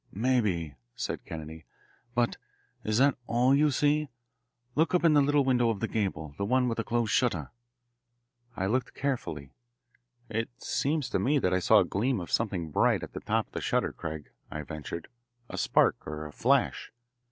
"Maybe," said Kennedy. "But is that all you see? Look up in the little window of the gable, the one with the closed shutter." I looked carefully. "It seems to me that I saw a gleam of something bright at the top of the shutter, Craig," I ventured. "A spark or a flash."